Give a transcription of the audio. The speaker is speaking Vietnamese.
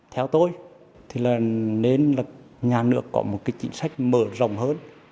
theo tôi thì là nên là nhà nước có một cái chính sách mở rộng hơn